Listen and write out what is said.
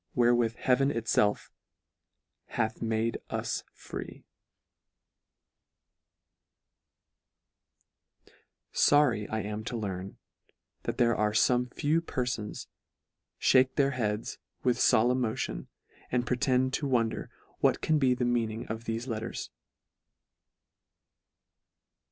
wherewith heaven itself " hath made us freer' Sorry I am to learn, that there are fome few perfons, make their heads with folemn motion, and pretend to wonder what can be the meaning of thefe letters.